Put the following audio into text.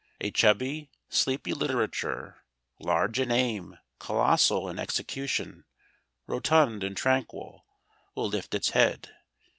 A chubby, sleepy literature, large in aim, colossal in execution, rotund and tranquil will lift its head.